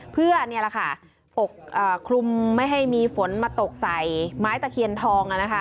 เพื่อออกคลุมไม่ให้มีฝนมาตกใส่ไม้ตะเคียนทอง